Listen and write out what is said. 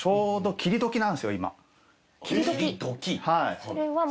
はい。